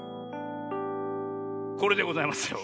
これでございますよ。